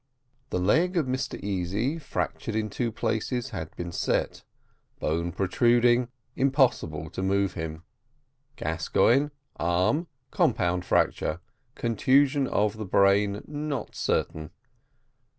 The leg of Mr Easy fractured in two places had been set bone protruding impossible to move him. Gascoigne, arm, compound fracture concussion of the brain not certain.